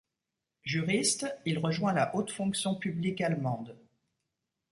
Juriste, il rejoint la haute fonction publique allemande.